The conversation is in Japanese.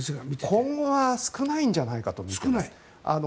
今後は少ないんじゃないかと思います。